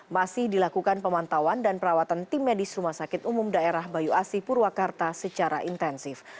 masih dilakukan pemantauan dan perawatan tim medis rumah sakit umum daerah bayu asi purwakarta secara intensif